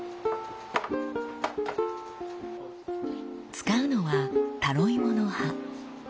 使うのはタロイモの葉。